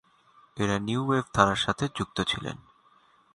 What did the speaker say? এরা new wave ধারার সঙ্গে যুক্ত ছিলেন।